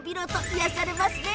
癒やされますね。。